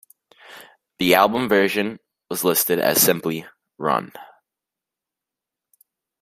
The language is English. The album version was listed as simply "Run".